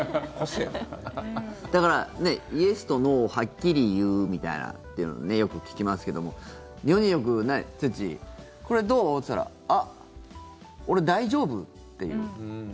だからイエスとノーをはっきり言うみたいっていうのをよく聞きますけども世によく、ツッチーこれどう？って言ったら俺、大丈夫と言う。